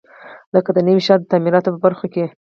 لکه د نوي ښار د تعمیراتو په برخو کې.